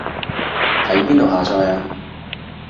喺邊度下載啊